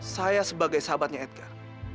saya sebagai sahabatnya edgar